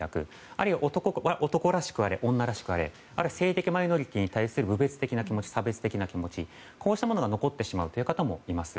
あるいは男らしくあれ、女らしくあれあるいは性的マイノリティーに対する侮蔑的な気持ち差別的な気持ちが残ってしまう方もいます。